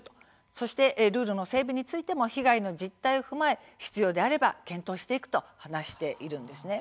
そしてルールの整備についても被害の実態を踏まえて必要であれば検討していくと話しています。